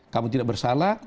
kamu tidak bersalah